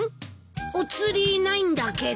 お釣りないんだけど。